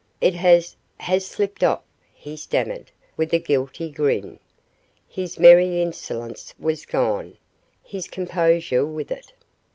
"It has has slipped off " he stammered, with a guilty grin. His merry insolence was gone, his composure with it.